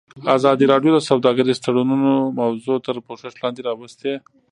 ازادي راډیو د سوداګریز تړونونه موضوع تر پوښښ لاندې راوستې.